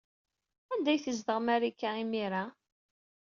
Anda ay tezdeɣ Marika, imir-a?